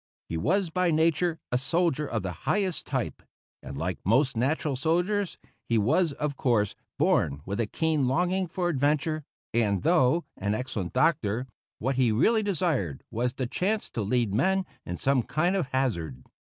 He was by nature a soldier of the highest type, and, like most natural soldiers, he was, of course, born with a keen longing for adventure; and, though an excellent doctor, what he really desired was the chance to lead men in some kind of hazard.